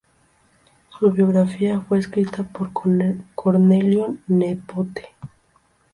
Su biografía fue escrita por Cornelio Nepote.